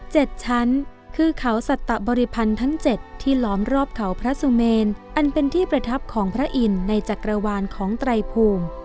ชั้นคือเขาสัตตะบริพันธ์ทั้งเจ็ดที่ล้อมรอบเขาพระสุเมนอันเป็นที่ประทับของพระอินทร์ในจักรวาลของไตรภูมิ